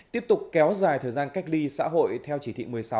tiếp tục kéo dài thời gian cách ly xã hội theo chỉ thị một mươi sáu